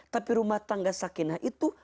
tapi rumah tangga sakinah itu